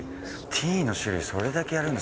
ティーの種類、それだけやるんだ。